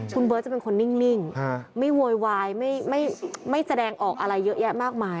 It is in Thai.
คุณเบิร์ตจะเป็นคนนิ่งไม่โวยวายไม่แสดงออกอะไรเยอะแยะมากมาย